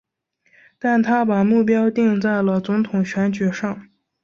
但他把目标定在了总统选举上。